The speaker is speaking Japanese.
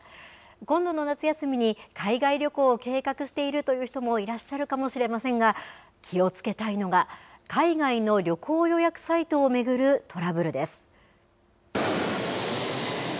今度の夏休みに海外旅行を計画しているという人もいらっしゃるかもしれませんが、気をつけたいのが、海外の旅行予約サイトを巡るトラブルです。